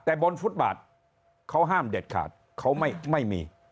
แต่บนฟุตบาทเขาห้ามเด็ดขาดเขาไม่มี